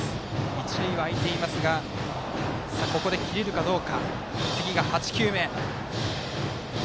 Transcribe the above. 一塁は空いていますがここで切れるかどうか。